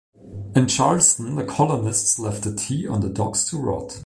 In Charleston, the colonists left the tea on the docks to rot.